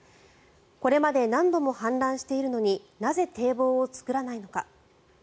これまで何度も氾濫しているのになぜ、堤防を作らないのか。